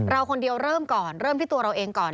เราคนเดียวเริ่มก่อนเริ่มที่ตัวเราเองก่อน